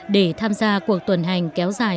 để tham gia cuộc tuần hành kéo dài